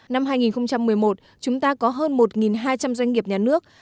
năm hai nghìn một mươi một chúng ta có hơn một hai trăm linh doanh nghiệp nhà nước